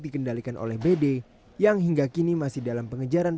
dikendalikan oleh bd yang hingga kini masih dalam pengejaran